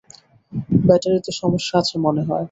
ব্যাটারিতে সমস্যা আছে মনে হয়।